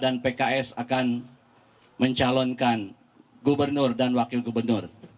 dan apks akan mencalonkan gubernur dan wakil gubernur